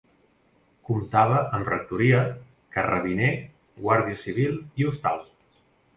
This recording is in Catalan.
Comptava amb rectoria, carrabiner, guàrdia civil i hostal.